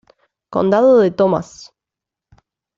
Condado de Thomas